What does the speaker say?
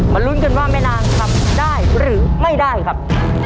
ลุ้นกันว่าแม่นางทำได้หรือไม่ได้ครับ